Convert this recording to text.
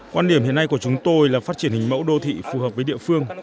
quan điểm hiện nay của chúng tôi là phát triển hình mẫu đô thị phù hợp với địa phương